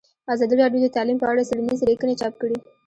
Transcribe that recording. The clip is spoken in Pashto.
ازادي راډیو د تعلیم په اړه څېړنیزې لیکنې چاپ کړي.